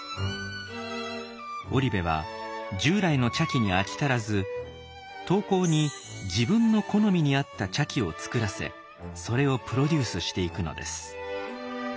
織部は従来の茶器に飽き足らず陶工に自分の好みにあった茶器を作らせそれをプロデュースしていくのです。